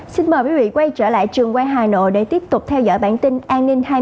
xin mời quý vị quay trở lại trường quay hà nội để tiếp tục theo dõi bản tin an ninh hai mươi